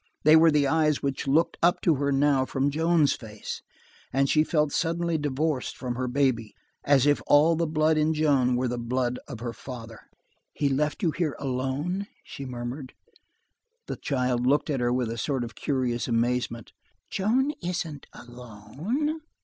They were the eyes which looked up to her now from Joan's face, and she felt suddenly divorced from her baby, as if all the blood in Joan were the blood of her father. "He left you here alone?" she murmured. The child looked at her with a sort of curious amazement. "Joan isn't alone."